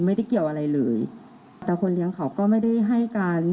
ไม่ได้เกี่ยวอะไรเลยแต่คนเลี้ยงเขาก็ไม่ได้ให้การ